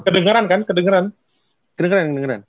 kedengeran kan kedengeran kedengeran kedengeran